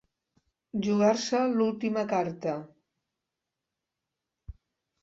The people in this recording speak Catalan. Jugar-se l'última carta.